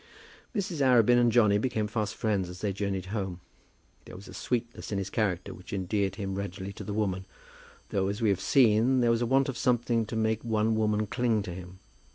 Mrs. Arabin and Johnny became fast friends as they journeyed home. There was a sweetness in his character which endeared him readily to women; though, as we have seen, there was a want of something to make one woman cling to him.